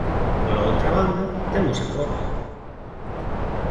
Pola outra banda, temos a cor.